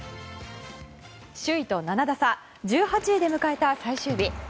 首位と７打差１８位で迎えた最終日。